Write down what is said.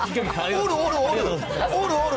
おるおるおる。